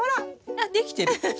あっできてる。